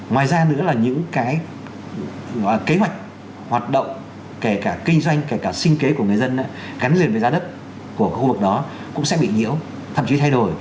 ngoài ra nữa là những cái kế hoạch hoạt động kể cả kinh doanh kể cả sinh kế của người dân gắn liền với giá đất của khu vực đó cũng sẽ bị nhiễu thậm chí thay đổi